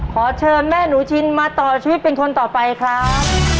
ขอเชิญแม่หนูชินมาต่อชีวิตเป็นคนต่อไปครับ